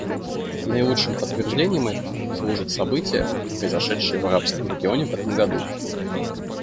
Наилучшим подтверждением этому служат события, произошедшие в арабском регионе в этом году.